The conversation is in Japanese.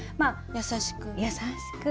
優しく。